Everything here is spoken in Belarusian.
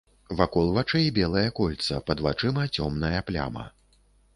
Вакол вачэй белае кольца, пад вачыма цёмная пляма.